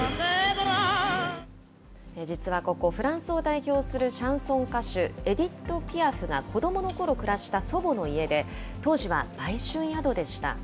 実はここ、フランスを代表するシャンソン歌手、エディット・ピアフが子どものころ暮らした祖母の家で、当時は売春宿でした。